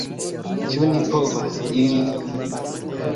Ĉu ni povas iri?